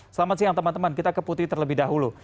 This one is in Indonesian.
selamat siang teman teman kita ke putri terlebih dahulu